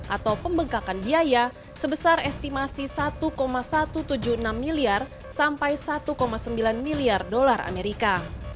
atau pembengkakan biaya sebesar estimasi satu satu ratus tujuh puluh enam miliar sampai satu sembilan miliar dolar amerika